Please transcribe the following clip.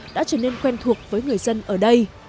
đã trở nên quen thuộc với người dân ở đây